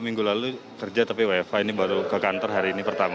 minggu lalu kerja tapi wfa ini baru ke kantor hari ini pertama